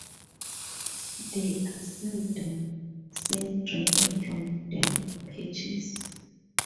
They are seldom seen drinking from damp patches.